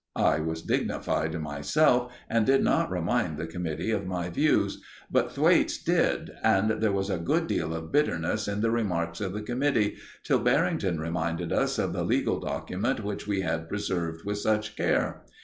I was dignified myself, and did not remind the committee of my views; but Thwaites did, and there was a good deal of bitterness in the remarks of the committee, till Barrington reminded us of the legal document which we had preserved with such care.